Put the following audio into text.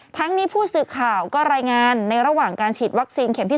ทั้งนี้ผู้สื่อข่าวก็รายงานในระหว่างการฉีดวัคซีนเข็มที่๑